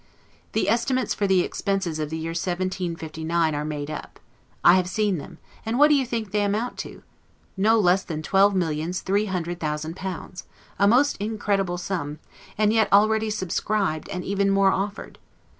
The estimates for the expenses of the year 1759 are made up; I have seen them; and what do you think they amount to? No less than twelve millions three hundred thousand pounds: a most incredible sum, and yet already subscribed, and even more offered!